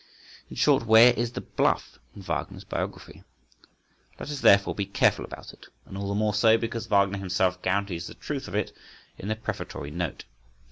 In short, where is the bluff in Wagner's biography? Let us therefore be careful about it, and all the more so because Wagner himself guarantees the truth of it in the prefatory note.